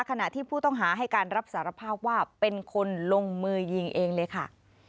ขณะที่ผู้ต้องหาให้การรับสารภาพว่าเป็นคนลงมือยิงเองเลยค่ะ